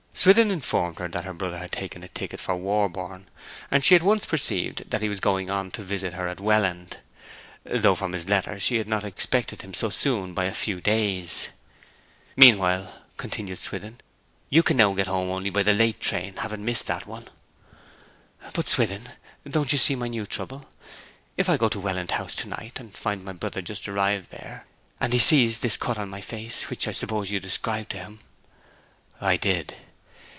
Swithin informed her that her brother had taken a ticket for Warborne, and she at once perceived that he was going on to visit her at Welland, though from his letter she had not expected him so soon by a few days. 'Meanwhile,' continued Swithin, 'you can now get home only by the late train, having missed that one.' 'But, Swithin, don't you see my new trouble? If I go to Welland House to night, and find my brother just arrived there, and he sees this cut on my face, which I suppose you described to him ' 'I did.'